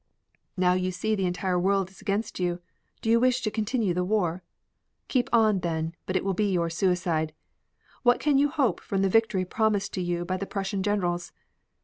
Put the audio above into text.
Now you see the entire world is against you, do you wish to continue the war? Keep on, then, but it will be your suicide. What can you hope from the victory promised to you by the Prussian generals?